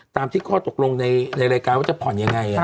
ตามที่ข้อตกลงในรายการว่าจะผ่อนยังไง